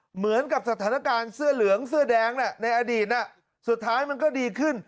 เหมือนกับสถานการณ์เสื้อเหลืองเสื้อแดงในอดีตสุดท้ายมันก็ดีขึ้น